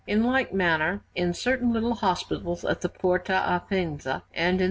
In like manner, in certain little hospitals at the Porta a Faenza, and in S.